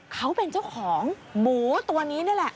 เขาเป็นเจ้าของหมูตัวนี้นี่แหละ